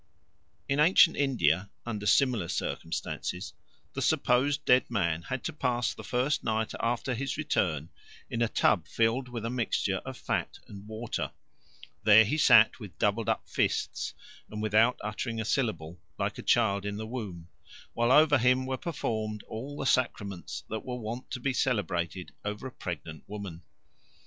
In ancient India, under similar circumstances, the supposed dead man had to pass the first night after his return in a tub filled with a mixture of fat and water; there he sat with doubled up fists and without uttering a syllable, like a child in the womb, while over him were performed all the sacraments that were wont to be celebrated over a pregnant woman.